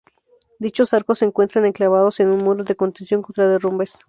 Dichos arcos se encuentran enclavados en un muro de contención contra derrumbes.